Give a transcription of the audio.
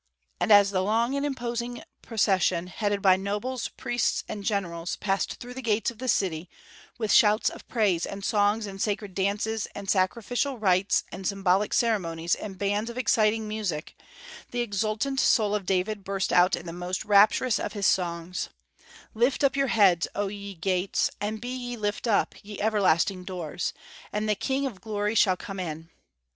"And as the long and imposing procession, headed by nobles, priests, and generals, passed through the gates of the city, with shouts of praise and songs and sacred dances and sacrificial rites and symbolic ceremonies and bands of exciting music, the exultant soul of David burst out in the most rapturous of his songs: 'Lift up your heads, O ye gates; and be ye lift up ye everlasting doors; and the King of Glory shall come in!'"